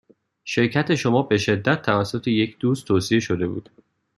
شرکت شما به شدت توسط یک دوست توصیه شده بود.